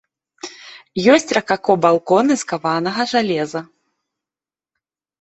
Ёсць ракако балконы з каванага жалеза.